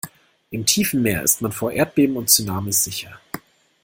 Im tiefen Meer ist man vor Erdbeben und Tsunamis sicher.